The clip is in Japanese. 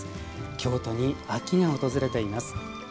京都に秋が訪れています。